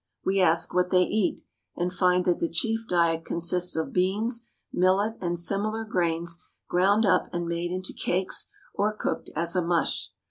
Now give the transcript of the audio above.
We ask what they eat, and find that the chief diet con sists of beans, millet, and similar grains ground up and made into cakes or cooked as a mush.